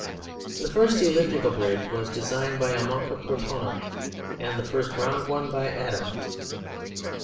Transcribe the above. The first elliptical bridge was designed by a monk of Cortona, and the first round one by Adam....